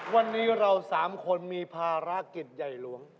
วันนี้เรา๓คนมีภารกิจใหญ่หลวง